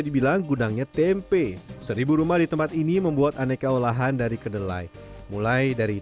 dibilang gunanya tempe seribu rumah di tempat ini membuat aneka olahan dari kedelai mulai dari